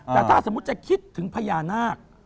แต่ถ้าสมมุติจะคิดถึงพญานาค